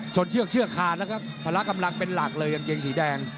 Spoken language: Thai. ชนเชือกเชือกคานนะครับภรรากำลังเป็นหลักเลยอย่างเกงสีแดง